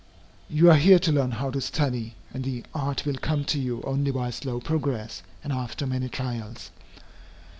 You are here to learn how to study, and the art will come to you only by slow progress, and after many trials.